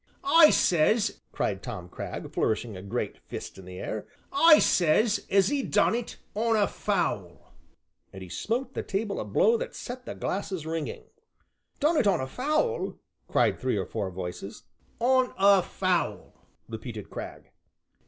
"I says," cried Tom Cragg, flourishing a great fist in the air, "I says as 'e done it on a foul!" And he smote the table a blow that set the glasses ringing. "Done it on a foul?" cried three or four voices. "On a foul!" repeated Cragg.